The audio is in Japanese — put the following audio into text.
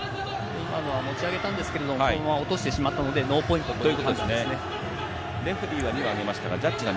今のは持ち上げたんですが、そのまま落としてしまったので、ノーポイントということです。